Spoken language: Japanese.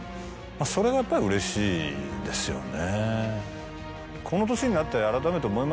それがやっぱりうれしいですよね。